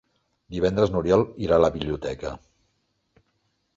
Divendres n'Oriol irà a la biblioteca.